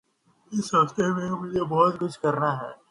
اس ہفتے میں مجھے بہت کچھ کرنا ہے۔